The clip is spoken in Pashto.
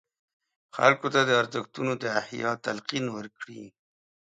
خلکو ته د ارزښتونو د احیا تلقین ورکړي.